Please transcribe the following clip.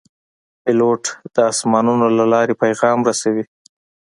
پیلوټ د آسمانونو له لارې پیغام رسوي.